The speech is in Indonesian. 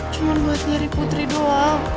cuman buat nyari putri doang